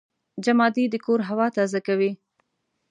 جمادې د کور هوا تازه کوي.